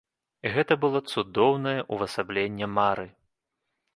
І гэта было цудоўнае ўвасабленне мары!